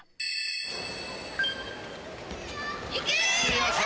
よっしゃ！